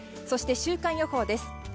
そして、週間予報です。